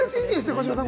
児嶋さん。